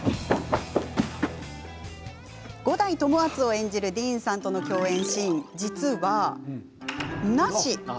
五代友厚を演じるディーンさんとの共演シーンは、実はなし。